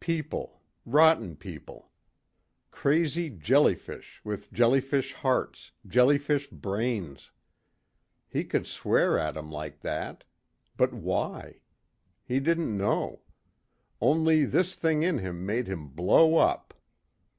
People, rotten people. Crazy jellyfish with jellyfish hearts, jellyfish brains. He could swear at 'em like that. But why? He didn't know. Only this thing in him made him blow up.